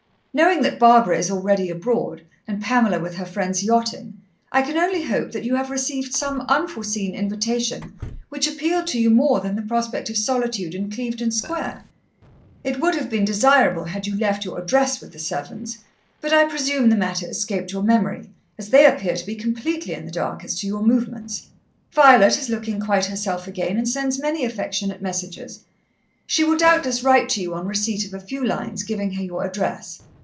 Knowing that Barbara is already abroad, and Pamela with her friends yachting, I can only hope that you have received some unforeseen invitation which appealed to you more than the prospect of solitude in Clevedon Square. It would have been desirable had you left your address with the servants, but I presume the matter escaped your memory, as they appear to be completely in the dark as to your movements. "Violet is looking quite herself again, and sends many affectionate messages. She will doubtless write to you on receipt of a few lines giving her your address.